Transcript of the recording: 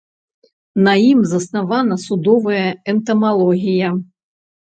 На ім заснавана судовая энтамалогія.